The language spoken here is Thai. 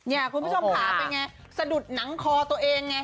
คุณผู้ชมขาเป็นไงสะดุดหนังคอตัวเองไง